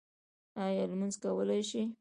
ایا لمونځ کولی شئ؟